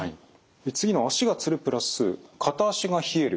次の足がつる＋片足が冷える